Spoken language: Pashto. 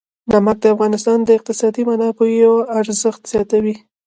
نمک د افغانستان د اقتصادي منابعو ارزښت زیاتوي.